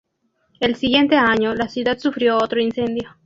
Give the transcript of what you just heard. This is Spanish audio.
El siguiente año la ciudad sufrió otro incendio.